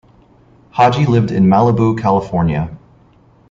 Haji lived in Malibu, California.